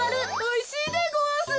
おいしいでごわす。